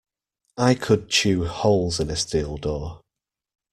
I could chew holes in a steel door.